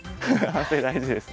反省大事ですね。